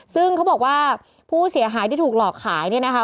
ซึ่งเขาบอกว่าผู้เสียหายที่ถูกหลอกขายเนี่ยนะคะ